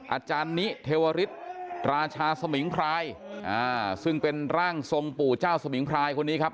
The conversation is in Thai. อาจารย์นิเทวริสราชาสมิงพรายอ่าซึ่งเป็นร่างทรงปู่เจ้าสมิงพรายคนนี้ครับ